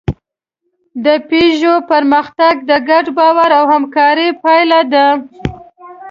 د پيژو پرمختګ د ګډ باور او همکارۍ پایله ده.